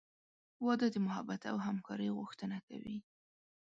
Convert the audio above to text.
• واده د محبت او همکارۍ غوښتنه کوي.